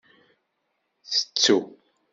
Tettu.